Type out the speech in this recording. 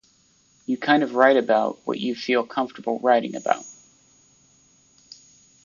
You kind of write about what you feel comfortable writing about.